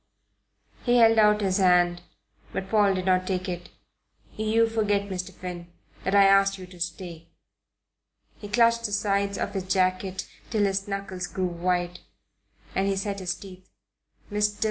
He held out his hand; but Paul did not take it. "You forget, Mr. Finn, that I asked you to stay." He clutched the sides of his jacket till his knuckles grew white, and he set his teeth. "Mr.